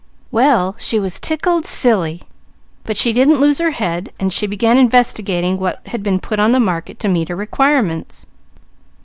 "Well she was tickled silly, but she didn't lose her head; she began investigating what had been put on the market to meet her requirements.